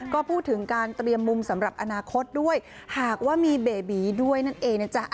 ก็พูดถึงการเตรียมมุมสำหรับอนาคตด้วยหากว่ามีเบบีด้วยนั่นเองนะจ๊ะ